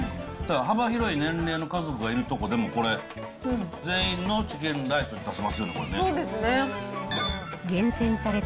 幅広い年齢の家族がいるとこでも、これ、全員のチキンライス出せますよね、これね。